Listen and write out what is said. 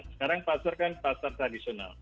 sekarang pasar kan pasar tradisional